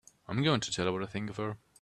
I'm going to tell her what I think of her!